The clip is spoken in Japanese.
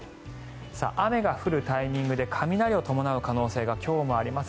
雨が降るタイミングで雷を伴う可能性が今日もあります。